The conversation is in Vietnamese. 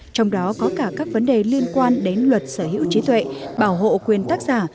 trong đó có cả các vấn đề liên quan đến luật sở hữu trí tuệ bảo hộ quyền tác giả